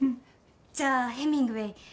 じゃあヘミングウェイ。